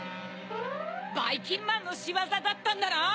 ばいきんまんのしわざだったんだな！